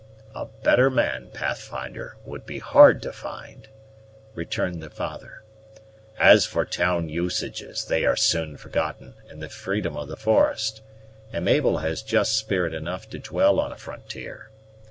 "A better man, Pathfinder, would be hard to find," returned the father. "As for town usages, they are soon forgotten in the freedom of the forest, and Mabel has just spirit enough to dwell on a frontier.